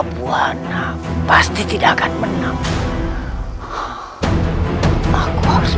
aku sadar aku telah silau akan harta dan tahta